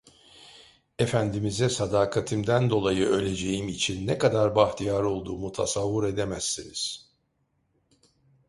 Efendimize sadakatimden dolayı öleceğim için ne kadar bahtiyar olduğumu tasavvur edemezsiniz.